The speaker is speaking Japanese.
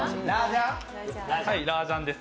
ラージャンです。